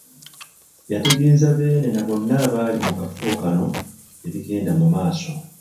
Yategeeza Bbeene na bonna abaali mu kafubo kano ebigenda mu maaso.